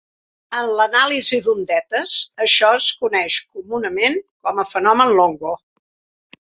En l'anàlisi d'ondetes això es coneix comunament com a fenomen Longo.